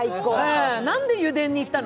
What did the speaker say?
なんで油田に行ったの？